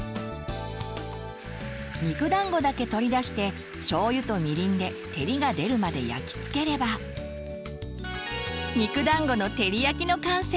肉だんごだけ取り出してしょうゆとみりんで照りが出るまで焼き付ければ「肉だんごの照り焼き」の完成！